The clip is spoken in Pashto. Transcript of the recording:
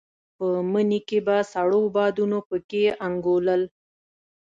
په مني کې به سړو بادونو په کې انګولل.